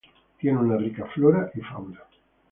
Tiene una rica flora y fauna.